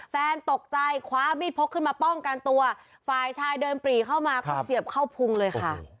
แฟนตกใจคว้ามีดพกขึ้นมาป้องกันตัวฝ่ายชายเดินปรีเข้ามาก็เสียบเข้าพุงเลยค่ะ